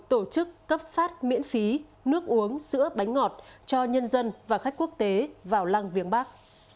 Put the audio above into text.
tổ chức cấp phát miễn phí nước uống sữa bánh ngọt cho nhân dân và khách quốc tế vào lăng viếng bắc